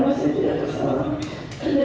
yang saya tidak bersalah